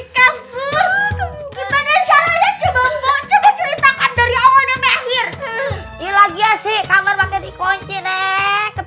kucing boleh pasti perfume kylo